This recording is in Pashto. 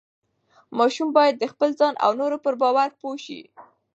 ماشوم باید د خپل ځان او نورو پر باور پوه شي.